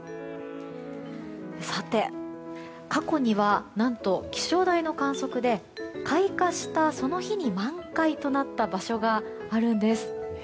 さて、過去には何と、気象台の観測で開花したその日に満開となった場所があるんです。